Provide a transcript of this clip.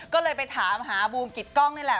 ก็เลยไปถามหาบูมกิตกล้องนี่แหละ